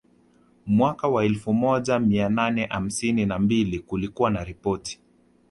Mwaka wa elfu moja mia nane hamsini na mbili kulikuwa na ripoti